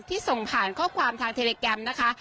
ส่งผ่านข้อความทางเทเลแกรมนะคะ